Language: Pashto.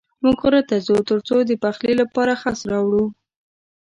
موږ غره ته ځو تر څو د پخلي لپاره خس راوړو.